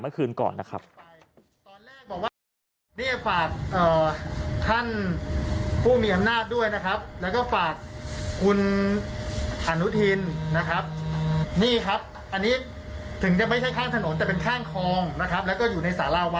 เมื่อคืนก่อนนะครับ